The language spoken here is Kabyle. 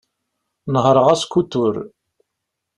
Nehreɣ askutur.